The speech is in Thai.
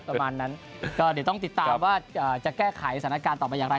ประมาณนั้นก็เดี๋ยวต้องติดตามว่าจะแก้ไขสถานการณ์ต่อไปอย่างไร